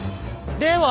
では